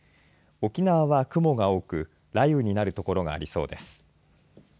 沖縄は雲が多く雷雨になる所がありそうです。